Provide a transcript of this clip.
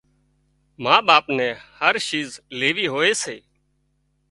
ما ٻاپ نين هر شيز ليوي هوئي سي